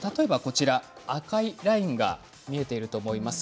赤いラインが見えていると思います。